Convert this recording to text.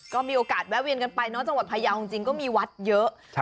ก็มีโอกาสแวะเวียนกันไปเนาะจังหวัดพยาวจริงก็มีวัดเยอะ